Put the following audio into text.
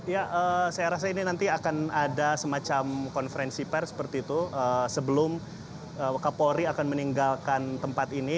ya saya rasa ini nanti akan ada semacam konferensi pers seperti itu sebelum kapolri akan meninggalkan tempat ini